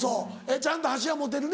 ちゃんと箸は持てるね。